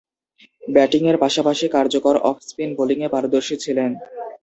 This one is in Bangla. ব্যাটিংয়ের পাশাপাশি কার্যকর অফ স্পিন বোলিংয়ে পারদর্শী ছিলেন।